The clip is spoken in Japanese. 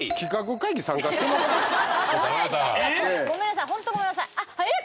ごめんなさいホントごめんなさいえっ